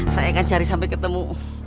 saya kan cari sampai ketemu